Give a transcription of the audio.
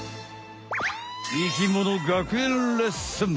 生きもの学園レッスン。